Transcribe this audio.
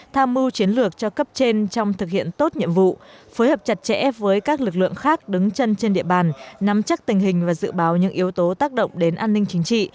tham mưu chiến lược cho cấp trên trong thực hiện tốt nhiệm vụ phối hợp chặt chẽ với các lực lượng khác đứng chân trên địa bàn nắm chắc tình hình và dự báo những yếu tố tác động đến an ninh chính trị